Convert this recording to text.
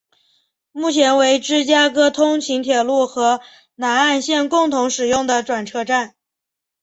目前为芝加哥通勤铁路和南岸线共同使用的转车站。